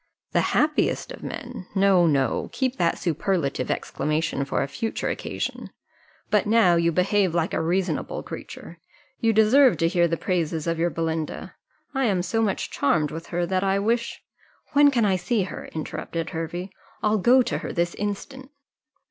"The happiest of men! No, no; keep that superlative exclamation for a future occasion. But now you behave like a reasonable creature, you deserve to hear the praises of your Belinda I am so much charmed with her, that I wish " "When can I see her?" interrupted Hervey; "I'll go to her this instant."